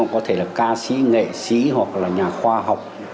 có thể là ca sĩ nghệ sĩ hoặc là nhà khoa học